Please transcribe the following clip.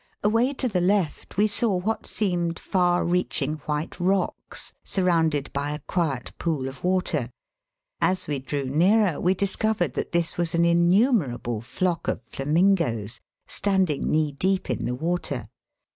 Away to the left we saw what seemed far reaching white rocks surrounded by a quiet pool of water. As we drew nearer we dis covered that this was an innumerable flock of flamingoes, standing knee deep in the water.